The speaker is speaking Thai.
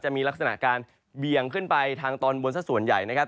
มีลักษณะการเบี่ยงขึ้นไปทางตอนบนสักส่วนใหญ่นะครับ